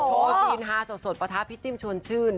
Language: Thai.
ซีนฮาสดประทะพี่จิ้มชวนชื่น